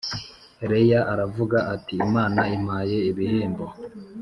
Leya aravuga ati Imana impaye ibihembo